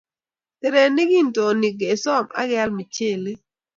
Terenik kintonik kesoom ak keal michelee